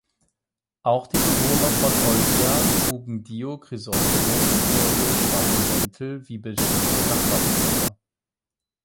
Auch die Bewohner von Olbia trugen, Dio Chrysostomos zufolge, schwarze Mäntel, wie bestimmte Nachbarvölker.